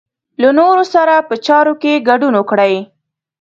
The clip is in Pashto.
له نورو سره په چارو کې ګډون وکړئ.